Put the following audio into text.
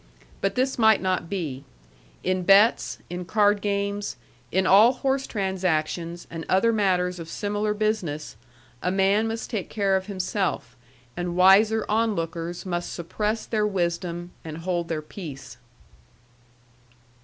But this might not be. In bets, in card games, in all horse transactions and other matters of similar business, a man must take care of himself, and wiser onlookers must suppress their wisdom and hold their peace.